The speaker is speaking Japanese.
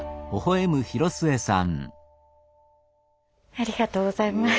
ありがとうございます。